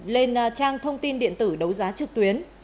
lên trang thông tin điện tử đấu giá trực tuyến